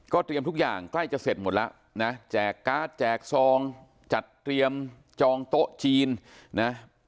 เตรียมทุกอย่างใกล้จะเสร็จหมดแล้วนะแจกการ์ดแจกซองจัดเตรียมจองโต๊ะจีนนะ